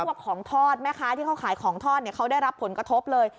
ของทอดแม่ค้าที่เขาขายของทอดเขาได้รับผลกระทบเลย